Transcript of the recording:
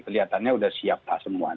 keliatannya sudah siap semua